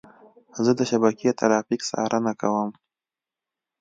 زه د شبکې ترافیک څارنه کوم.